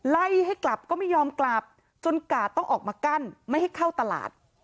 ไล่ให้กลับก็ไม่ยอมกลับจนกาดต้องออกมากั้นไม่ให้เข้าตลาด